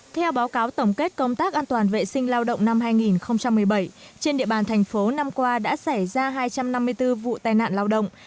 theo báo cáo tổng kết công tác an toàn vệ sinh lao động năm hai nghìn một mươi bảy trên địa bàn thành phố năm qua đã xảy ra hai trăm năm mươi bốn vụ tai nạn lao động